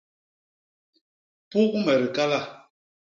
Puk me dikala.